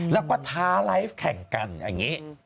แล้วก็ท้าไลฟ์แข่งกันอย่างนี้